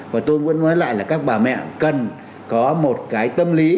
và tôi muốn nói lại là các bà mẹ cần có một cái tâm lý